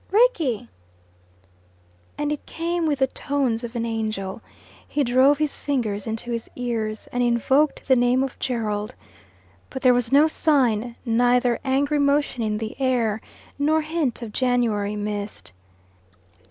"Rickie!" and it came with the tones of an angel. He drove his fingers into his ears, and invoked the name of Gerald. But there was no sign, neither angry motion in the air nor hint of January mist.